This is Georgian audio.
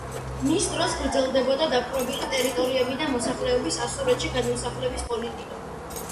მის დროს გრძელდებოდა დაპყრობილი ტერიტორიებიდან მოსახლეობის ასურეთში გადმოსახლების პოლიტიკა.